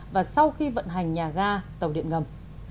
và sau khi vận hành nhà ga tàu điện ngầm